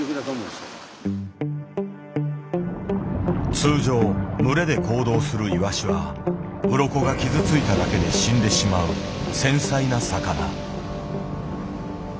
通常群れで行動するイワシはうろこが傷ついただけで死んでしまう繊細な魚。